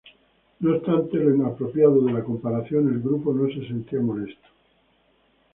No obstante lo inapropiado de la comparación, el grupo no se sentía molesto.